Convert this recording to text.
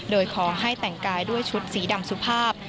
โดยขอให้แต่งกายด้วยชุดสีดำสุภาพ